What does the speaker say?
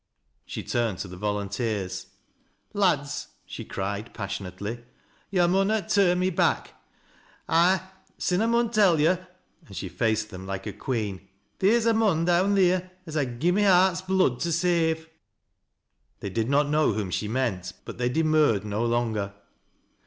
She turned to the voluuteei'B. "Lads," she cried, passionately, "To' munnot turn me t&ek. I — sin I mun tell yo' —" and she faced them like 4 queen,—" theer's a mon down theer as I'd gi' my heart's blood to save." They did not know whom she meant, but they demurred CO longer.